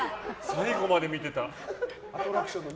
最後まで見てた。